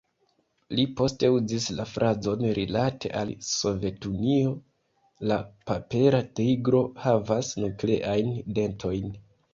Li poste uzis la frazon rilate al Sovetunio: la "papera tigro havas nukleajn dentojn".